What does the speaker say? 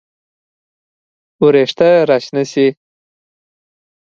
وېښته راشنه شي